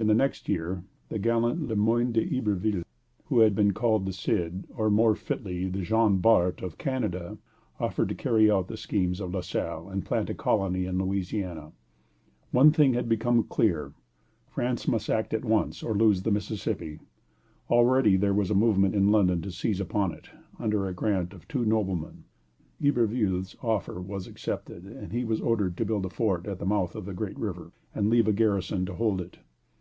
In the next year the gallant Le Moyne d'Iberville who has been called the Cid, or, more fitly, the Jean Bart, of Canada offered to carry out the schemes of La Salle and plant a colony in Louisiana. One thing had become clear, France must act at once, or lose the Mississippi. Already there was a movement in London to seize upon it, under a grant to two noblemen. Iberville's offer was accepted; he was ordered to build a fort at the mouth of the great river, and leave a garrison to hold it.